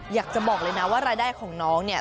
อยากจะบอกเลยนะว่ารายได้ของน้องเนี่ย